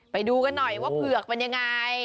ไปดูกันหน่อยว่าเผือกเป็นยังไง